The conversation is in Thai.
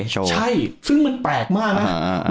ใช่ซึ่งมันแปลกมากนะ